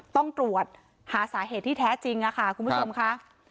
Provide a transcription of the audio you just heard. ต้องตรวจหาสาเหตุที่แท้จริงค่ะคุณผู้ชมค่ะ